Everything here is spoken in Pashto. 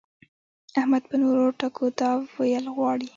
احمد په نورو ټکو دا ويل غواړي.